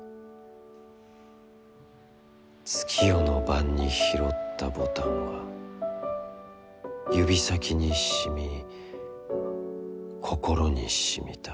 月夜の晩に、拾ったボタンは指先に沁み、心に沁みた。